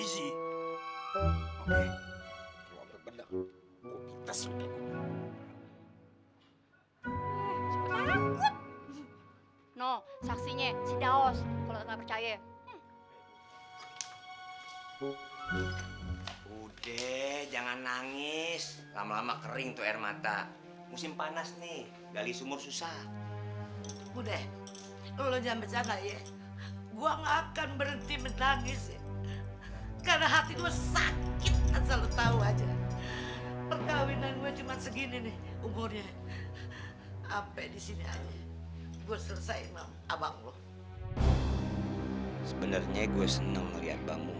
sayang anggi kamu dan kak bayu dulu di belakang ya